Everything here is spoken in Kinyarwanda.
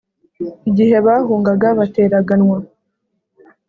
”Igihe bahungaga bateraganwa,